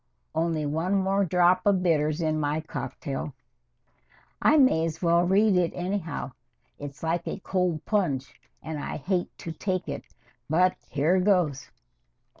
Only one more drop of bitters in my cocktail. I may as well read it anyhow. It's like a cold plunge, and I hate to take it, but here goes."